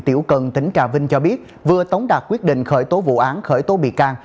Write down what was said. tiểu cần tỉnh trà vinh cho biết vừa tống đạt quyết định khởi tố vụ án khởi tố bị can